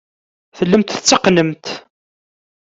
Tellamt tetteqqnemt.